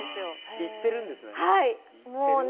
行ってるんですね。